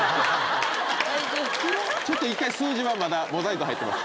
ちょっと一回数字はまだモザイク入ってます